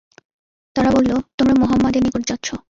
তারা বলল, তোমরা মুহাম্মাদের নিকট যাচ্ছো।